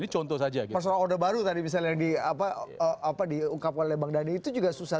contoh saja persoal order baru tadi misalnya di apa apa diungkap oleh bang dhani itu juga susah